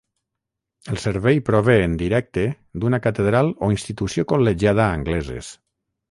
El servei prové en directe d'una catedral o institució col·legiada angleses.